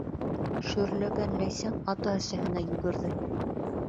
Шөрләгән Ләйсән ата-әсәһенә йүгерҙе.